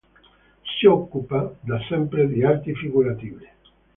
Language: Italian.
Si occupa da sempre di arti figurative.